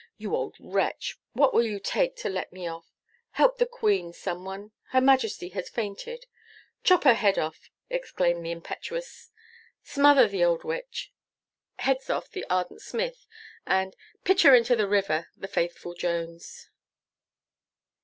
You old wretch, what will you take to let me off? Help the Queen, some one Her Majesty has fainted.' 'Chop her head off!' } exclaim the impetuous 'Smother the old witch!' } Hedzoff, the ardent Smith, and 'Pitch her into the river!' } the faithful Jones.